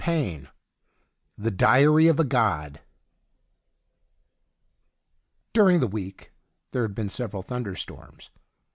166 THE DIARY OF A GOD During the week there had been several thunderstorms.